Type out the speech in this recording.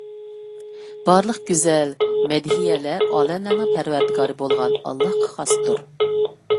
بارلىق گۈزەل مەدھىيەلەر ئالەملەرنىڭ پەرۋەردىگارى بولغان ئاللاھقا خاستۇر.